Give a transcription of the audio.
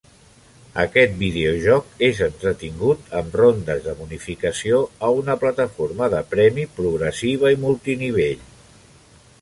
Aquest videojoc és entretingut, amb rondes de bonificació a una plataforma de premi progressiva i multinivell.